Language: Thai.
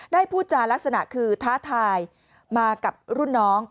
พูดจารักษณะคือท้าทายมากับรุ่นน้อง